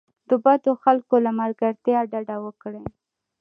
د بدو خلکو له ملګرتیا ډډه وکړئ.